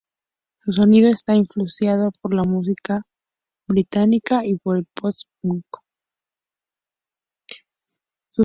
Su sonido está influenciado por la música new wave británica y por el post-punk.